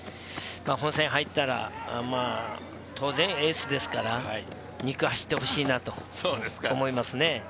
本選入ったら、当然エースですから、２区を走ってほしいなと思いますね。